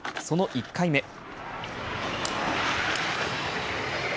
その１回目。